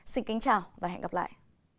xin kính chào và hẹn gặp lại